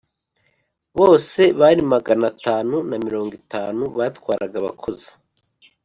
Bose bari magana atanu na mirongo itanu, batwaraga abakozi